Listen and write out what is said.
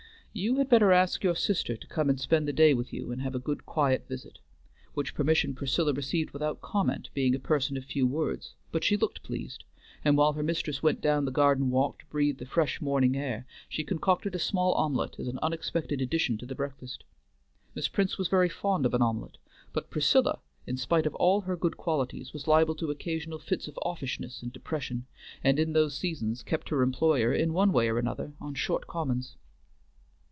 "You had better ask your sister to come and spend the day with you and have a good, quiet visit," which permission Priscilla received without comment, being a person of few words; but she looked pleased, and while her mistress went down the garden walk to breathe the fresh morning air, she concocted a small omelet as an unexpected addition to the breakfast. Miss Prince was very fond of an omelet, but Priscilla, in spite of all her good qualities, was liable to occasional fits of offishness and depression, and in those seasons kept her employer, in one way or another, on short commons.